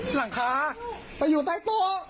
หลังคาไปอยู่ใต้โต๊ะ